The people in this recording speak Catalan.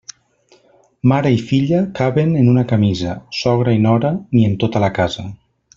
Mare i filla caben en una camisa; sogra i nora, ni en tota la casa.